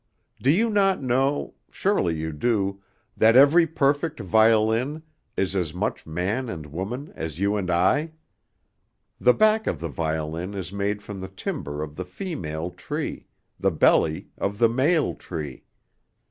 Do you not know, surely you do, that every perfect violin is as much man and woman as you and I? The back of the violin is made from the timber of the female tree, the belly of the male tree.